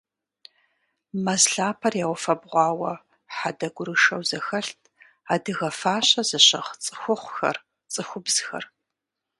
Мэз лъапэр яуфэбгъуауэ хьэдэ гурышэу зэхэлът адыгэ фащэ зыщыгъ цӀыхухъухэр, цӀыхубзхэр.